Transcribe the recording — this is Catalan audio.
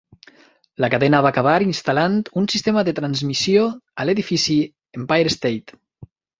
La cadena va acabar instal·lant un sistema de transmissió a l'edifici Empire State.